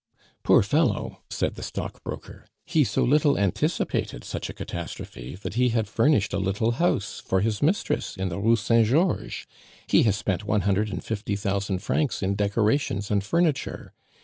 "Poor fellow!" said the stockbroker. "He so little anticipated such a catastrophe, that he had furnished a little house for his mistress in the Rue Saint Georges; he has spent one hundred and fifty thousand francs in decorations and furniture.